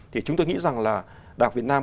thì chúng tôi nghĩ rằng là đảng việt nam